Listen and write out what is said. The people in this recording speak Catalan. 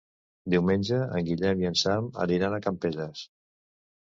Diumenge en Guillem i en Sam aniran a Campelles.